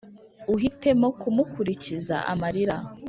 Uhitemo kumukurikiza amarira